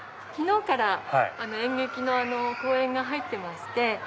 昨日から演劇の公演が入ってまして。